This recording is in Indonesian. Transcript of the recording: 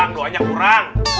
kurang doanya kurang